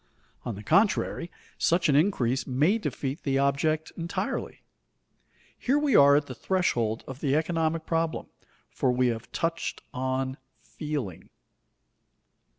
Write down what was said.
On the contrary, such an increase may defeat the object entirely. Here we are at the threshold of the economic problem, for we have touched on "feeling."